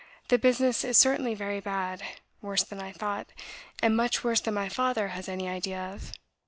The business is certainly very bad; worse than I thought, and much worse than my father has any idea of.